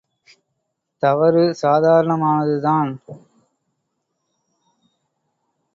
தவறு சாதாரணமானது தான்.